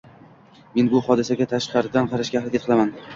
men bu hodisaga “tashqaridan” qarashga harakat qilaman